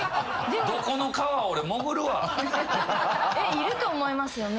いると思いますよね。